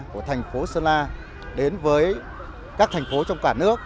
của thành phố sơn la đến với các thành phố trong cả nước